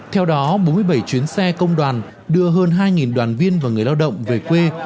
theo đó bốn mươi bảy chuyến xe công đoàn đưa hơn hai đoàn viên và người lao động về quê